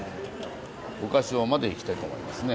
五箇荘まで行きたいと思いますね。